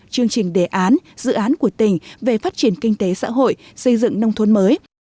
chương trình đề án dự án của tỉnh về phát triển kinh tế xã hội xây dựng nông thôn mới